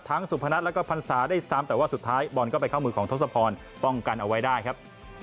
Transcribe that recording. สุพนัทแล้วก็พรรษาได้ซ้ำแต่ว่าสุดท้ายบอลก็ไปเข้ามือของทศพรป้องกันเอาไว้ได้ครับ